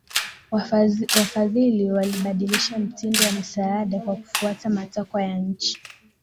Wafadhili walibadilisha mtindo wa misaada kwa kufuata matakwa ya nchi